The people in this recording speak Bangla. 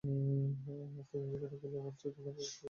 তিনি লিখেন "উকিলের মনচোর" নামক একটি গান।